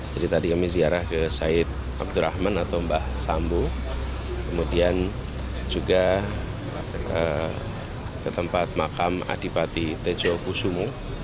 jadi tadi kami ziarah ke said abdul rahman atau mbah sambu kemudian juga ke tempat makam adipati tejokusumo